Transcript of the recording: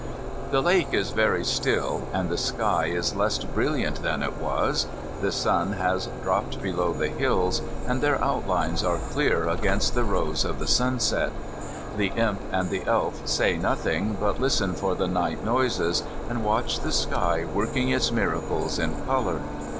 The lake is very still, and the sky is less brilliant than it was. The sun has dropped below the hills, and their outlines are clear against the rose of the sunset. The Imp and the Elf say nothing, but listen for the night noises, and watch the sky working its miracles in colour.